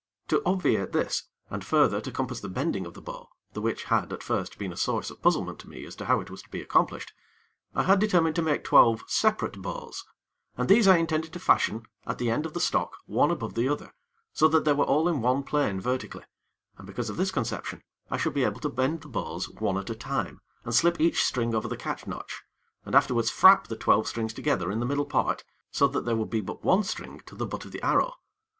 To obviate this, and further, to compass the bending of the bow, the which had, at first, been a source of puzzlement to me as to how it was to be accomplished, I had determined to make twelve separate bows, and these I intended to fasten at the end of the stock one above the other, so that they were all in one plane vertically, and because of this conception, I should be able to bend the bows one at a time, and slip each string over the catch notch, and afterwards frap the twelve strings together in the middle part so that they would be but one string to the butt of the arrow.